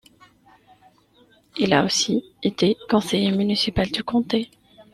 Il a aussi été conseiller municipal du comté.